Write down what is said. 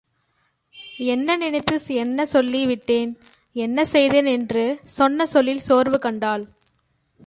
என்ன நினைத்து என்ன சொல்லி விட்டேன் என்ன செய்தேன் என்று சொன்ன சொல்லில் சோர்வு கண்டாள்.